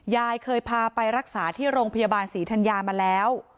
ยายเคยพาไปรักษาที่โรงพยาบาลศรีธัญญามาแล้ว